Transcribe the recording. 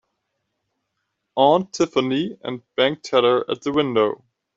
Aunt Tiffany and bank teller at the window.